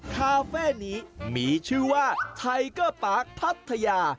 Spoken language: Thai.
คาเฟ่นี้มีชื่อว่าไทเกอร์ปาร์คพัทยา